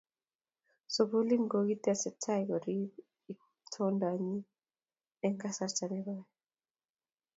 Sugulini kokitestai koriip itondanyi eng kasarta ne koi.